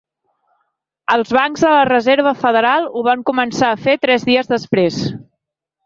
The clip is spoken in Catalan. Els bancs de la Reserva Federal ho van començar a fer tres dies després.